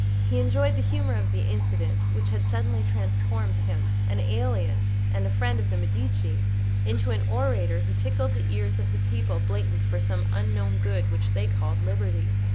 He enjoyed the humour of the incident, which had suddenly transformed him, an alien, and a friend of the Medici, into an orator who tickled the ears of the people blatant for some unknown good which they called liberty.